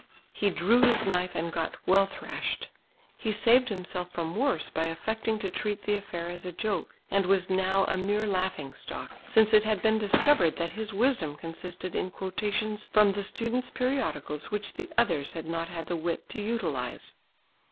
He drew his knife and got well thrashed. He saved himself from worse by affecting to treat the affair as a joke, and was now a mere laughing stock, since it had been discovered that his wisdom consisted in quotations from the students' periodicals which the others had not had the wit to utilise.